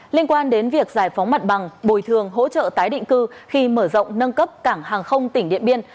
liên quan đến việc giải phóng mặt bằng bồi thường hỗ trợ tái định cư khi mở rộng nâng cấp cảng hàng không tỉnh điện biên